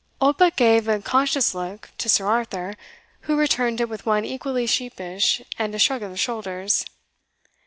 Oldbuck gave a conscious look to Sir Arthur, who returned it with one equally sheepish, and a shrug of the shoulders.